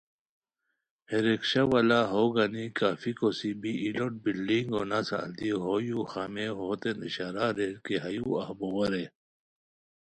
ہے رکشہ والا ہوگنی کافی کوسی بی ای لوٹ بلڈنگو نسہ التی ہو یوخامئے ہوتین اشارہ اریر کی ہیو اف بوغے رے